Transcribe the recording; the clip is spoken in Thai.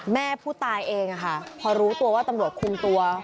แม่ผู้ตายเองค่ะพอรู้ตัวว่าตำรวจคุมตัว